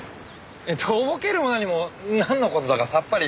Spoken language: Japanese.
えっとぼけるも何もなんの事だかさっぱり。